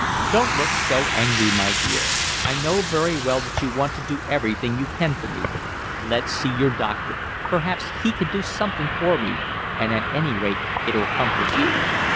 "Don't look so angry, my dear. I know very well you want to do everything you can for me. Let's see your doctor, perhaps he can do something for me, and at any rate it'll comfort you."